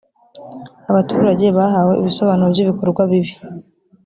abaturage bahawe ibisobanuro by’ibikorwa bibi